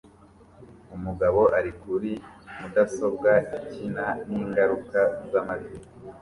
Umugabo ari kuri mudasobwa ikina ningaruka zamajwi